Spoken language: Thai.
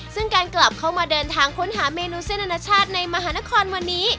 ซึ่งการกลับเข้ามาเดินทางค้นหาเมนูเส้นอนาชาติในมหานครวันนี้